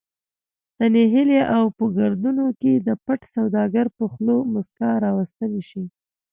د نهیلي او په گردونو کی د پټ سوداگر په خوله مسکا راوستلې شي